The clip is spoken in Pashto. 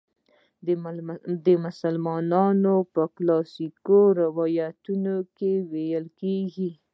د مسلمانانو په کلاسیکو روایتونو کې ویل کیږي.